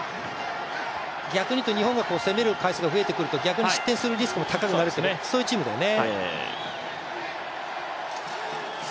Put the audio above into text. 逆に日本が攻める回数が増えてくると失点するリスクも高くなる、そういうチームだよね。